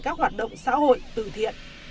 các hoạt động xã hội từ thiện